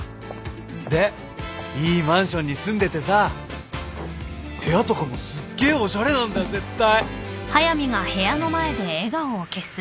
でいいマンションに住んでてさ部屋とかもすっげえおしゃれなんだよ絶対。